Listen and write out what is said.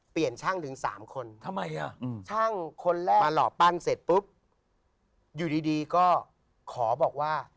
เปลี่ยนช่างถึง๓คนช่างคนแรกหล่อปั้นเสร็จปุ๊บอยู่ดีก็ขอบอกว่า